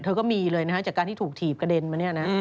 ก็มีเลยนะฮะจากการที่ถูกถีบกระเด็นมาเนี่ยนะ